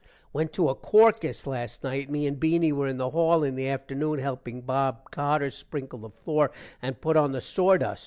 Went to a corcus last night. me and Beany were in the hall in the afternoon helping Bob Carter sprinkle the floor and put on the sordust.